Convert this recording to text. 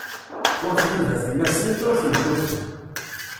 Ur tnuda fell-asent, ur tent-tufi.